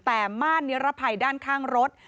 แต่ม่านนิรภัยด้านข้างรถ